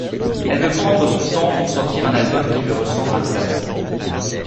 Elle veut prendre son temps pour sortir un album qui lui ressemble vraiment.